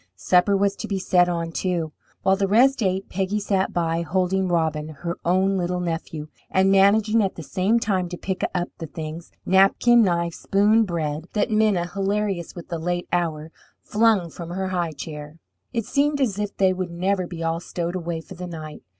Supper was to be set on, too. While the rest ate, Peggy sat by, holding Robin, her own little nephew, and managing at the same time to pick up the things napkin, knife, spoon, bread that Minna, hilarious with the late hour, flung from her high chair. It seemed as if they would never be all stowed away for the night.